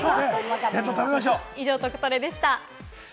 以上、トクトレでした。